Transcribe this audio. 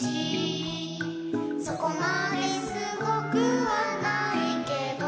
「そこまですごくはないけど」